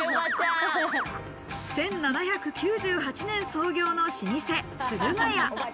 １７９８年創業の老舗・駿河屋。